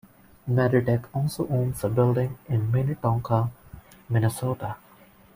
Meditech also owns a building in Minnetonka, Minnesota.